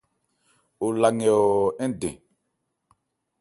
O la nkɛ ɔɔ ń dɛn.